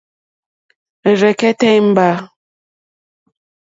Rzɛ̀kɛ́tɛ́ ìmbâ.